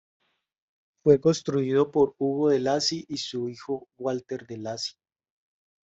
Fue construido por Hugo de Lacy y su hijo Walter de Lacy.